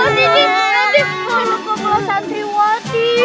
oh ini nanti kalau ke kepala santriwati